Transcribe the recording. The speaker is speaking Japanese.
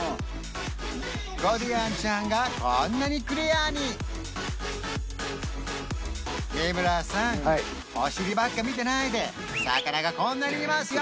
コディアンちゃんがこんなにクリアに三村さんお尻ばっか見てないで魚がこんなにいますよ